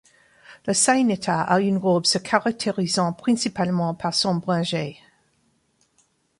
La Saïnata a une robe se caractérisant principalement par son bringé.